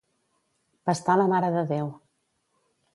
Pastar la Mare de Déu.